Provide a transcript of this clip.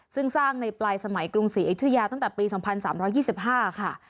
ซึ่งสร้างในปลายสมัยกรุงศรีอยุธยาตั้งแต่ปี๒๓๒๕ค่ะ